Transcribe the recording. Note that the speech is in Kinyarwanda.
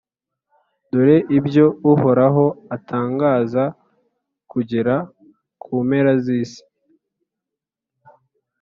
dore ibyo uhoraho atangaza kugera ku mpera z’isi: